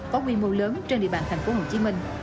có quy mô lớn trên địa bàn thành phố hồ chí minh